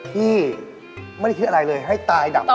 ที่ไม่ได้คิดอะไรเลยให้ตายดับ